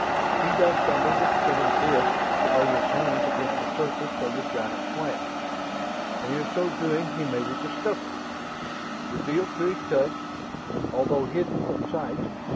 He ducked under the spinning disk to lay his hands against the surface of the giant slab. And in so doing he made a discovery, revealed to his touch although hidden from sight.